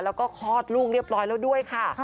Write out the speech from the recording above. แล้วก็คลอดลูกเรียบร้อยแล้วด้วยค่ะ